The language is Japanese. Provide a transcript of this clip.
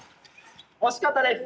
惜しかったです。